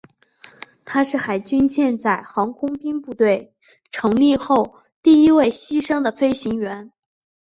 他是海军舰载航空兵部队成立后第一位牺牲的飞行员。